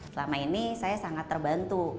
selama ini saya sangat terbantu